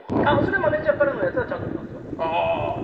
マネジャーからのやつはちゃんと見ますよ。